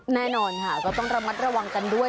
แน่นอนค่ะก็ต้องระมัดระวังกันด้วย